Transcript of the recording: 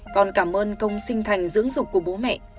còn cảm ơn công sinh thành dưỡng dục của bố mẹ